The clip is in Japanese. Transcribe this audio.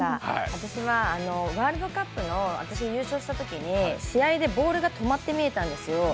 私はワールドカップの私、優勝したときに試合でボールが止まって見えたんですよ。